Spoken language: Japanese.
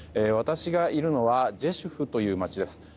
私がいるのはジェシュフという街です。